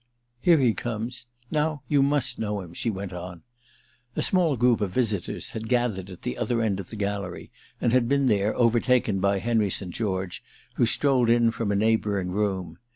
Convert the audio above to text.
"Here he comes. Now you must know him," she went on. A small group of visitors had gathered at the other end of the gallery and had been there overtaken by Henry St. George, who strolled in from a neighbouring room.